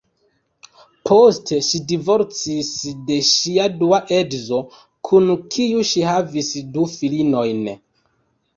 Poste ŝi divorcis de ŝia dua edzo, kun kiu ŝi havis du filinojn.